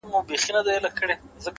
کار د استعداد بشپړونکی دی.!